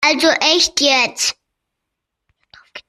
Also echt jetzt!